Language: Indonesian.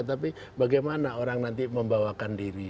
tapi bagaimana orang nanti membawakan diri